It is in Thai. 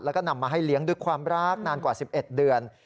แล้วก็นำมาให้เลี้ยงด้วยความรักนานกว่า๑๑เดือน